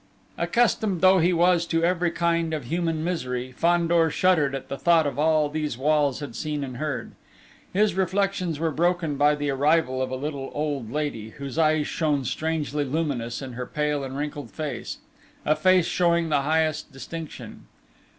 Accustomed though he was to every kind of human misery, Fandor shuddered at the thought of all these walls had seen and heard. His reflections were broken by the arrival of a little old lady, whose eyes shone strangely luminous in her pale and wrinkled face a face showing the highest distinction.